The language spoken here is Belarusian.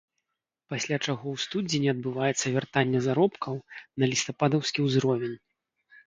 Пасля чаго ў студзені адбываецца вяртанне заробкаў на лістападаўскі ўзровень.